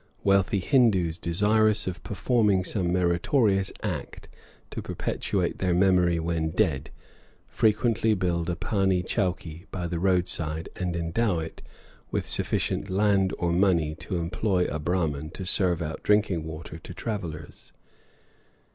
Wealthy Hindoos, desirous of performing some meritorious act to perpetuate their memory when dead, frequently build a pahnee chowkee by the roadside and endow it with sufficient land or money to employ a Brahman to serve out drinking water to travellers.